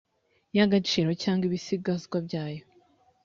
y agaciro cyangwa ibisigazwa byayo